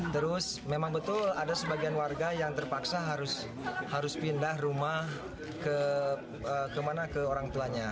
terus memang betul ada sebagian warga yang terpaksa harus pindah rumah kemana ke orang tuanya